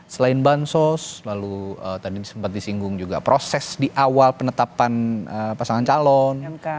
selain bansos lalu tadi sempat disinggung juga proses di awal penetapan pasangan calon